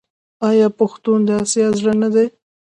آیا پښتون د اسیا زړه نه دی؟